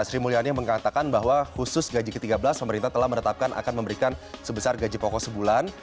sri mulyani yang mengatakan bahwa khusus gaji ke tiga belas pemerintah telah menetapkan akan memberikan sebesar gaji pokok sebulan